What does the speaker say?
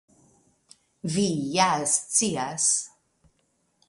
Vi ja scias!